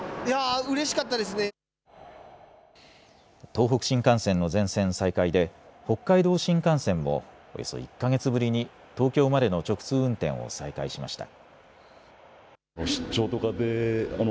東北新幹線の全線再開で北海道新幹線もおよそ１か月ぶりに東京までの直通運転を再開しました。